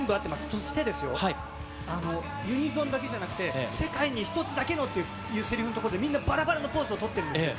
そしてですよ、ユニゾンだけじゃなくて、世界に一つだけのっていう、せりふのところで、みんなばらばらのポーズを取ってるんですよ。